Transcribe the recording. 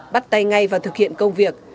bắt tay ngay và thực hiện công việc